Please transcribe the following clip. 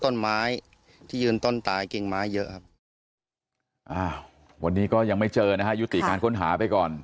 วันนี้ก็ยังไม่เจอนะฮะยุติการค้นหาไปก่อน